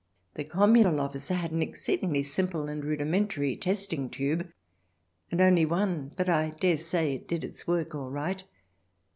The communal officer had an exceedingly simple and rudimentary testing tube, and only one, but I dare say it did its work all right.